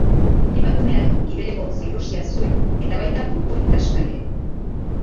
Emakumeak gibeleko zirrosia zuen, eta baita buruko eritasunak ere.